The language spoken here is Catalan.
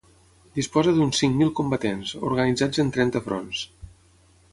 Disposa d'uns cinc mil combatents, organitzats en trenta fronts.